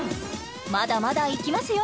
まだまだいきますよ